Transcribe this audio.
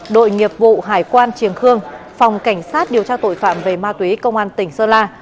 đội nghiệp vụ hải quan triềng khương phòng cảnh sát điều tra tội phạm về ma túy công an tỉnh sơn la